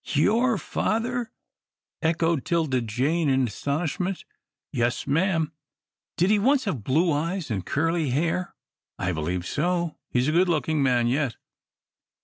"Your father!" echoed 'Tilda Jane, in astonishment. "Yes, ma'am." "Did he once have blue eyes an' curly hair?" "I believe so. He's a good looking man yet."